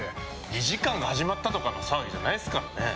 ２時間始まったとかの騒ぎじゃないですからね。